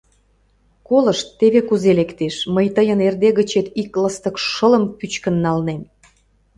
Колышт, теве кузе лектеш: мый тыйын эрде гычет ик ластык шылым пӱчкын налнем.